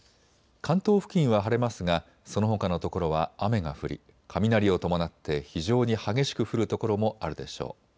関東付近は晴れますがそのほかの所は雨が降り雷を伴って非常に激しく降る所もあるでしょう。